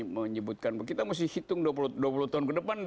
menyebutkan kita mesti hitung dua puluh tahun ke depan